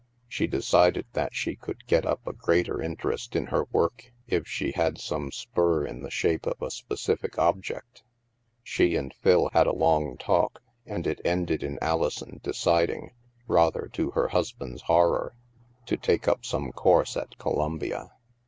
She decided that she could get up a greater in terest in her work if she had some spur in the shape of a specific object. She and Phil had a long talk, and it ended in Alison deciding, rather to her hus band's horror, to take up some course at Columbia.